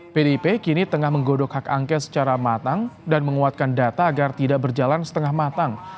pdip kini tengah menggodok hak angket secara matang dan menguatkan data agar tidak berjalan setengah matang